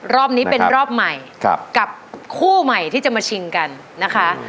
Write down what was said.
รอบนี้เป็นรอบใหม่กับคู่ใหม่ที่จะมาชิงกันนะคะ